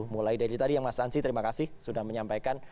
mulai dari tadi yang mas ansyi terima kasih sudah menyampaikan